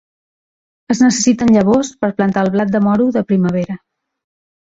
Es necessiten llavors per plantar el blat de moro de primavera.